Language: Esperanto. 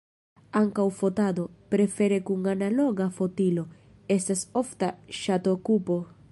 Ankaŭ fotado, prefere kun analoga fotilo, estas ofta ŝatokupo.